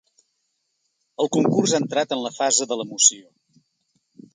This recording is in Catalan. El concurs ha entrat en la fase de l’emoció.